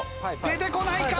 出てこないか！？